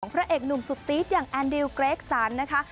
พระเอกหนุ่มสุดตี๊ดอย่างแอนดิวเกรกสันนะคะ